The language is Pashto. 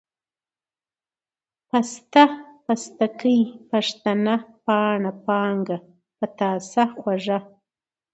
پسته ، پستکۍ ، پښتنه ، پاڼه ، پانگه ، پتاسه، خوږه،